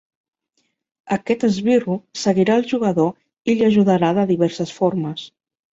Aquest esbirro seguirà al jugador i li ajudarà de diverses formes.